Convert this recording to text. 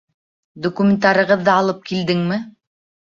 Документтарығыҙҙы алып килдеңме?